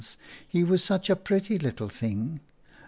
" He was such a pretty little thing.